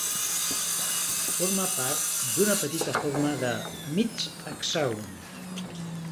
Forma part d'una petita forma de "mig hexàgon".